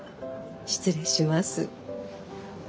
失礼します。